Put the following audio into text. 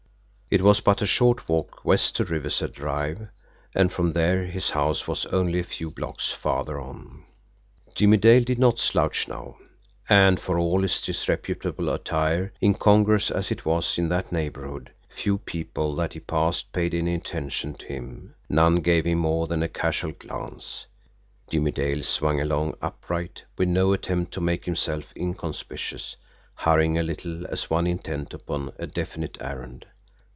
It was but a short walk west to Riverside Drive, and from there his house was only a few blocks farther on. Jimmie Dale did not slouch now. And for all his disreputable attire, incongruous as it was in that neighbourhood, few people that he passed paid any attention to him, none gave him more than a casual glance Jimmie Dale swung along, upright, with no attempt to make himself inconspicuous, hurrying a little, as one intent upon a definite errand.